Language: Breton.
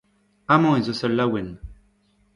Amañ ez eus ul laouenn.